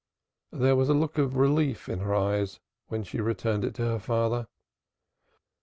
There was a look of relief in her eyes as she returned it to her father.